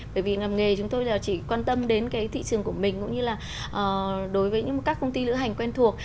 bởi vì làm nghề chúng tôi chỉ quan tâm đến cái thị trường của mình cũng như là đối với các công ty lựa hành quen thuộc